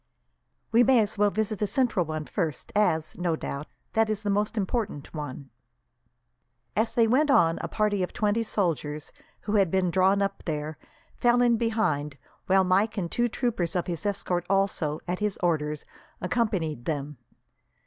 "We may as well visit the Central one first, as, no doubt, that is the most important one." As they went on, a party of twenty soldiers, who had been drawn up there, fell in behind, while Mike and two troopers of his escort also, at his orders, accompanied them.